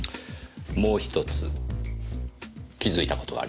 もう１つ気づいた事があります。